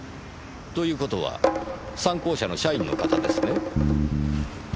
という事は讃光社の社員の方ですね？